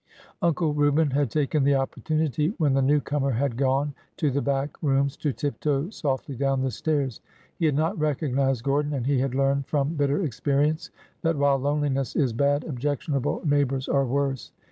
'' Uncle Reuben had taken the opportunity, when the newcomer had gone to the back rooms, to tiptoe softly down the stairs. He had not recognized Gordon, and he had learned from bitter experience that while loneliness is bad, objectionable neighbors are worse.